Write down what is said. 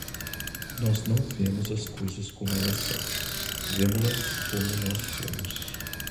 Nós não vemos as coisas como elas são, vemo-las como nós somos.